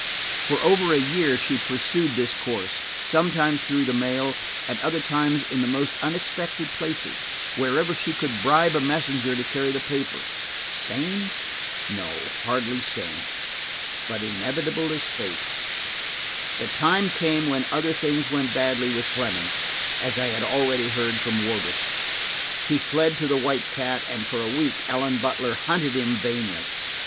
For over a year she pursued this course–sometimes through the mail, at other times in the most unexpected places, wherever she could bribe a messenger to carry the paper. Sane? No, hardly sane, but inevitable as fate. The time came when other things went badly with Fleming, as I had already heard from Wardrop. He fled to the White Cat, and for a week Ellen Butler hunted him vainly.